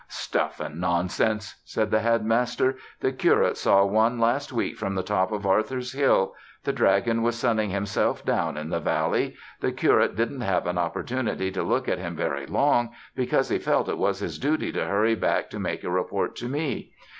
"Stuff and nonsense!" said the Headmaster. "The curate saw one last week from the top of Arthur's Hill. The dragon was sunning himself down in the valley. The curate didn't have an opportunity to look at him very long because he felt it was his duty to hurry back to make a report to me.